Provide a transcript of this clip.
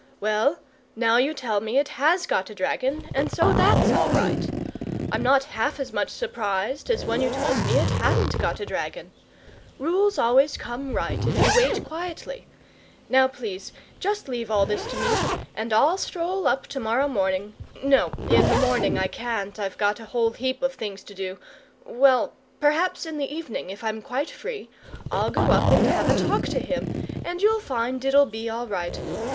Well, now you tell me it HAS got a dragon, and so THAT'S all right. I'm not half as much surprised as when you told me it HADN'T got a dragon. Rules always come right if you wait quietly. Now, please, just leave this all to me. And I'll stroll up to morrow morning no, in the morning I can't, I've got a whole heap of things to do well, perhaps in the evening, if I'm quite free, I'll go up and have a talk to him, and you'll find it'll be all right.